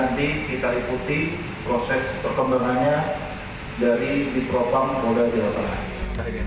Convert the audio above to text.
jadi kita ikuti proses perkembangannya dari di propampol dajateng